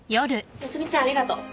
夏海ちゃんありがとう。